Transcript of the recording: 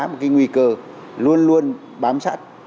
một cái nguy cơ luôn luôn bám sát